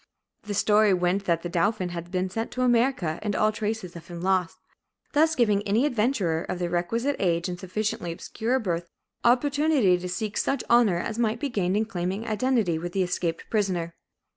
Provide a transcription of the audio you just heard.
The story went that the dauphin had been sent to America and all traces of him lost, thus giving any adventurer of the requisite age and sufficiently obscure birth, opportunity to seek such honor as might be gained in claiming identity with the escaped prisoner.